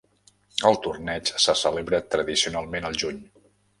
El torneig se celebra tradicionalment al juny.